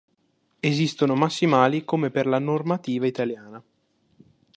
Esistono massimali come per la normativa italiana.